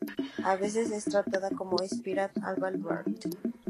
A veces es tratada como "Spiraea alba var.